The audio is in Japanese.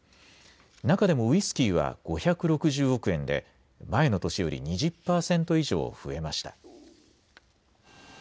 中でもウイスキーは５６０億円で、前の年より２０％以上増えました。